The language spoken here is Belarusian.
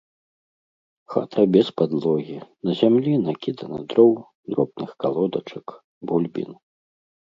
Хата без падлогі, на зямлі накідана дроў, дробных калодачак, бульбін.